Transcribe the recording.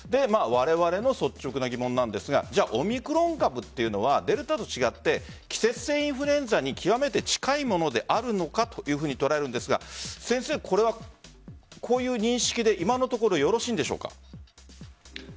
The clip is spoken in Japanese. われわれの率直な疑問なんですがオミクロン株というのはデルタと違って季節性インフルエンザに極めて近いものであるのかというふうに捉えるんですがこういう認識で、今のところよろしいんでしょうか？